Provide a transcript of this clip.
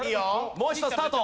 もう一度スタート。